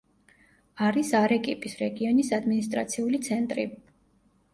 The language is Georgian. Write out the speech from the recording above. არის არეკიპის რეგიონის ადმინისტრაციული ცენტრი.